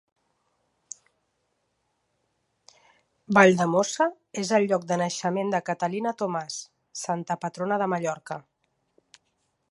Valldemossa és el lloc de naixement de Catalina Thomàs, santa patrona de Mallorca.